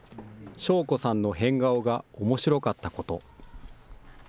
祥子さんの変顔がおもしろかったこと。